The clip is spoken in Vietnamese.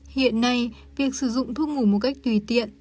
hiện nay việc sử dụng thuốc ngủ một cách tùy tiện